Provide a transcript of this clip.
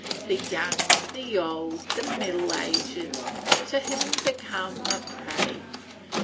The young, the old, the middle aged, To him become a prey.'